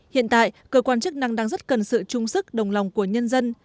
hiện tại cơ quan chức năng đang rất cần sự trung sức đồng lòng của nhân dân